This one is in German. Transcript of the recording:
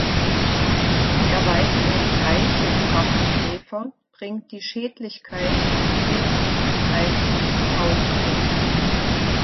Die Erweiterung "Eichen"prachtkäfer bringt die Schädlichkeit des Käfers an Eichen zum Ausdruck.